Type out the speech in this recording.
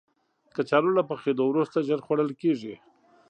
کچالو له پخېدو وروسته ژر خوړل کېږي